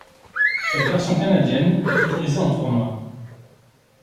Cette version canadienne est autorisée en tournois.